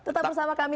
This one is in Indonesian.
tetap bersama kami